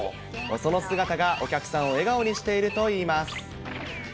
その姿がお客さんを笑顔にしているといいます。